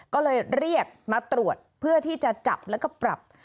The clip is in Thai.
ก็เลยเรียกมาตรวจเพื่อที่จะจับแล้วก็ปรับ